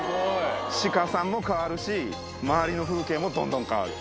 シカさんも変わるし周りの風景もどんどん変わる。